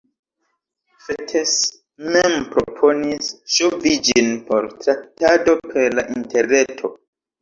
Fettes mem proponis ŝovi ĝin por traktado per la interreto.